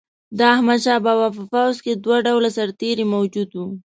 د احمدشاه بابا په پوځ کې دوه ډوله سرتیري موجود وو.